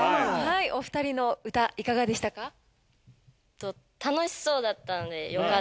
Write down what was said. お２人の歌いかがでしたか？